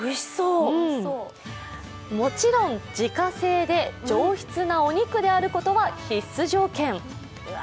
もちろん自家製で上質なお肉であることは必須条件。